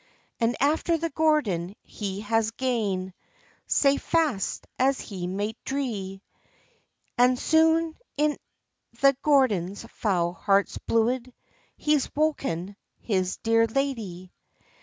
And after the Gordon he has gane, Sae fast as he might drie; And soon in the Gordon's foul heart's bluid He's wroken {96b} his dear layde.